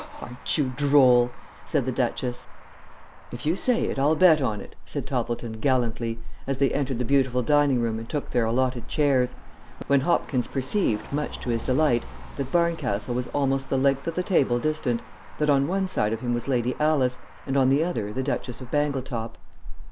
"Aren't you droll!" said the Duchess. "If you say it I'll bet on it," said Toppleton, gallantly, as they entered the beautiful dining room and took their allotted chairs, when Hopkins perceived, much to his delight, that Barncastle was almost the length of the table distant; that on one side of him was Lady Alice, and on the other the Duchess of Bangletop.